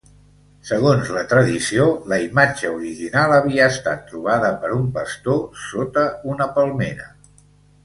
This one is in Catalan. Segons la tradició la imatge original havia estat trobada per un pastor sota una palmera.